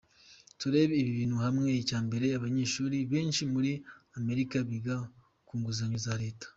Turebere ibi bintu hamwe: Icyambere, abanyeshuri benshi muri Amerika biga ku nguzanyo ya leta.